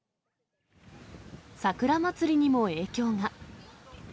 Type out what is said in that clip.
桜祭りにも影響が。